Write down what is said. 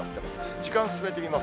時間進めてみます。